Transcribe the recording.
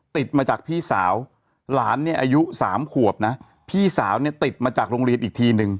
ติดมาจากพี่สาวหลานเนี่ยอายุ๓ขวบนะพี่สาวเนี่ยติดมาจากโรงเรียนอีกทีนึง